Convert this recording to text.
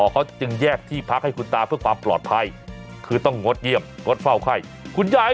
ก็แหละอนุญาตให้กลับบ้านแต่ด้วยความที่อยากกลับบ้านไปเจอคุณยายอย่างเมื่อยวาย